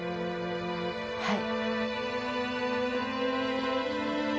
はい。